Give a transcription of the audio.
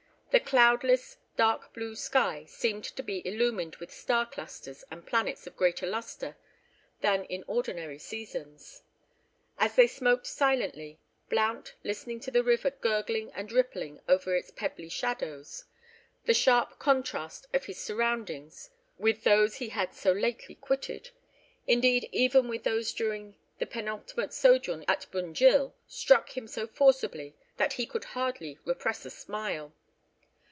The cloudless, dark blue sky seemed to be illumined with star clusters and planets of greater lustre than in ordinary seasons. As they smoked silently, Blount listening to the river gurgling and rippling over its pebbly shallows, the sharp contrast of his surroundings with those he had so lately quitted, indeed even with those during the penultimate sojourn at Bunjil, struck him so forcibly that he could hardly repress a smile.